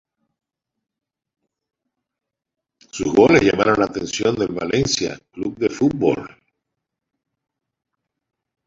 Sus goles llamaron la atención del Valencia Club de Fútbol.